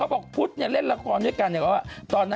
เขาบอกพุทจะเรียกซากรนี้กัน